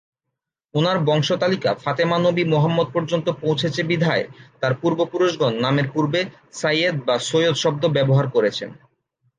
উনার বংশ-তালিকা ফাতেমা নবী মুহাম্মাদ পর্যন্ত পৌঁছেছে বিধায় তার পূর্ব-পুরুষগণ নামের পূর্বে ‘সাইয়্যেদ’ বা ‘সৈয়দ’ শব্দ ব্যবহার করেছেন।